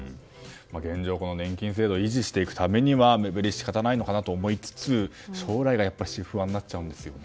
現状、年金制度を維持していくためには目減りは仕方ないと思いつつ将来がやっぱり不安になっちゃうんですよね。